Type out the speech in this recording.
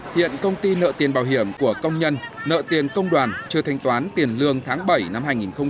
hiện công ty nợ tiền bảo hiểm của công nhân nợ tiền công đoàn chưa thanh toán tiền lương tháng bảy năm hai nghìn hai mươi